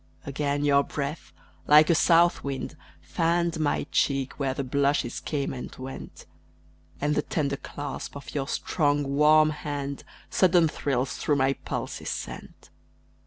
Again your breath, like a South wind, fanned My cheek, where the blushes came and went; And the tender clasp of your strong, warm hand Sudden thrills through my pulses sent.